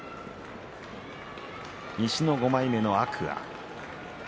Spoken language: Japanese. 西の５枚目の天空海。